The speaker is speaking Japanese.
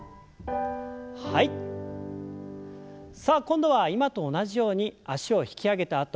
さあ今度は今と同じように脚を引き上げた